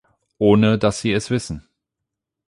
Ohne dass sie es wissen.